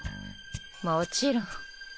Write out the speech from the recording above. もちろん。